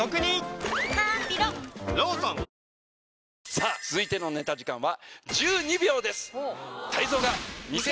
さぁ続いてのネタ時間は。